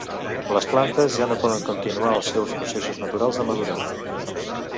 Les plantes ja no poden continuar els seus processos naturals de madurar.